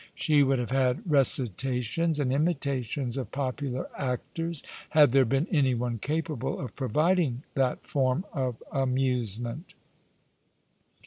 She would have had recitations, and imitations of popular actors, had there been any one capable of proyiding that form of amusement.